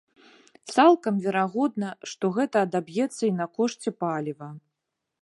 Цалкам верагодна, што гэта адаб'ецца і на кошце паліва.